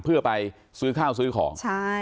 เพื่อไปซื้อข้าวซื้อของ